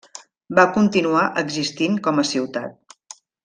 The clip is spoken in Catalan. Va continuar existint com a ciutat.